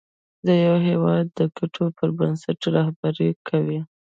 د یو هېواد د ګټو پر بنسټ رهبري کوي.